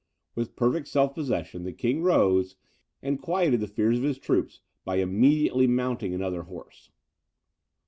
With perfect self possession the king rose, and quieted the fears of his troops by immediately mounting another horse.